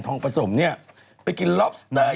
ทองผสมไปกินลอบสเตอร์